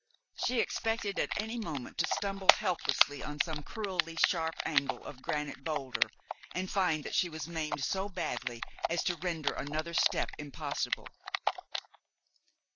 She expected at any moment to stumble helplessly on some cruelly sharp angle of a granite boulder, and find that she was maimed so badly as to render another step impossible.